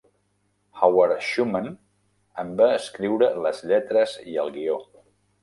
Howard Schuman en va escriure les lletres i el guió.